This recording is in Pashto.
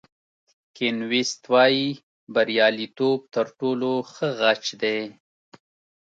کین ویست وایي بریالیتوب تر ټولو ښه غچ دی.